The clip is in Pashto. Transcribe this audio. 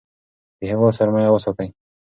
د هیواد سرمایه وساتئ.